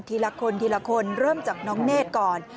ละคนทีละคนเริ่มจากน้องเนธก่อน